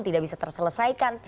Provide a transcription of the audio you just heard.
tidak bisa terselesaikan